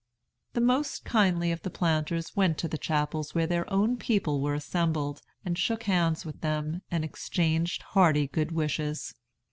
"The most kindly of the planters went to the chapels where their own people were assembled, and shook hands with them, and exchanged hearty good wishes.